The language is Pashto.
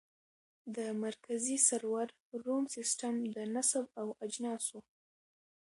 د مرکزي سرور روم سیسټم د نصب او اجناسو